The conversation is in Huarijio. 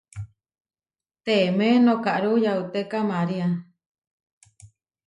Teemé nokáru yauteka María.